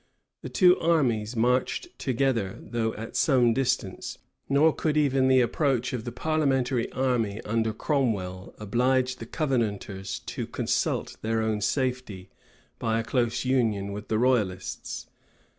The two armies marched together, though at some distance; nor could even the approach of the parliamentary army under Cromwell, oblige the Covenanters to consult their own safety, by a close union with the royalists.